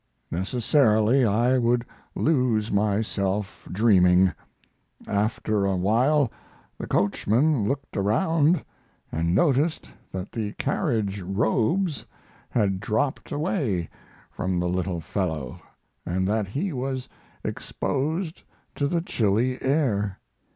Necessarily I would lose myself dreaming. After a while the coachman looked around and noticed that the carriage robes had dropped away from the little fellow, and that he was exposed to the chilly air.